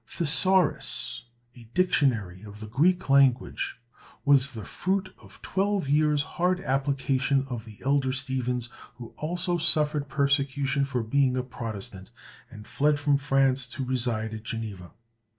"Thesaurus," a dictionary of the Greek language, was the fruit of twelve years' hard application of the elder Stephens, who also suffered persecution for being a Protestant, and fled from France to reside at Geneva.